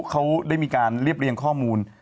เขาได้มีการเรียบเรียงข้อมูล